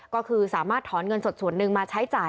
ก็คือสามารถถอนเงินสดส่วนหนึ่งมาใช้จ่าย